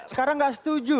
sekarang nggak setuju